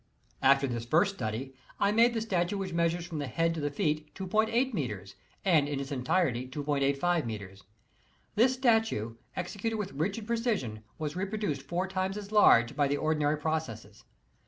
After this first study I made the statue which measures from the head to the feet 2.8 metres, and in its entirety 2.85 metres. This statue, executed with rigid precision, was reproduced four times as large by the ordinary processes.